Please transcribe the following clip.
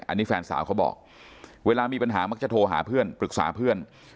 อันนี้แฟนสาวเขาบอกเวลามีปัญหามักจะโทรหาเพื่อนปรึกษาเพื่อน